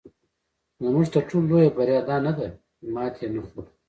زموږ تر ټولو لویه بریا دا نه ده چې ماتې نه خورو.